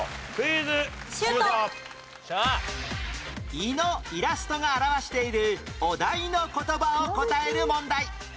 胃のイラストが表しているお題の言葉を答える問題